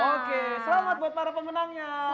oke selamat buat para pemenangnya